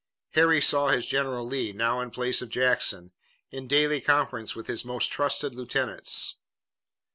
Harry saw his general, Lee now in place of Jackson, in daily conference with his most trusted lieutenants.